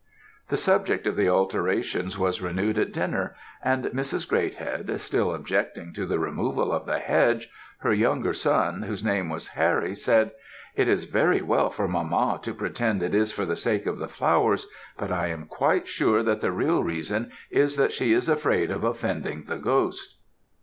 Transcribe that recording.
"The subject of the alterations was renewed at dinner, and Mrs. Greathead, still objecting to the removal of the hedge, her younger son, whose name was Harry, said, 'It is very well for mamma to pretend it is for the sake of the flowers, but I am quite sure that the real reason is that she is afraid of offending the ghost.'